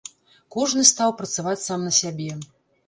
Кожны стаў працаваць сам на сябе.